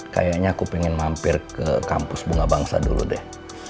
kayaknya aku pengen mampir ke kampus bunga bangsa dulu deh